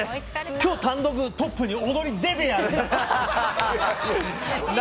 今日、単独トップに躍り出てやる！